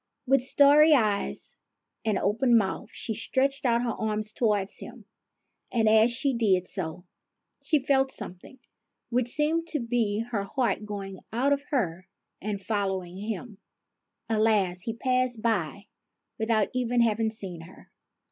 With staring eyes and open mouth she stretched out her arms towards him ; and, as she did so, she felt something, which seemed to be her heart, go out of her, and follow him. Alas ! he passed by without even having seen her.